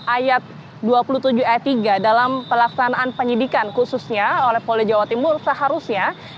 ayat dua puluh tujuh ayat tiga dalam pelaksanaan penyidikan khususnya oleh polda jawa timur seharusnya